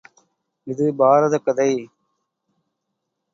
இது பாரதக் கதை.